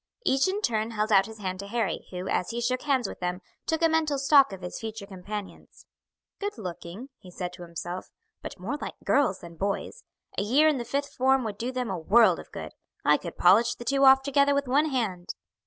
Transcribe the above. Each in turn held out his hand to Harry, who, as he shook hands with them, took a mental stock of his future companions. "Good looking," he said to himself, "but more like girls than boys. A year in the fifth form would do them a world of good. I could polish the two off together with one hand."